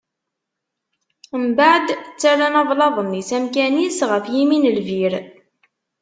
Mbeɛd, ttarran ablaḍ-nni s amkan-is, ɣef yimi n lbir.